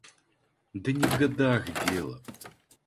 Да не в годах дело.